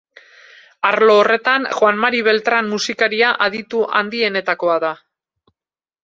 Arlo horretan, Juan Mari Beltran musikaria aditu handienetakoa da.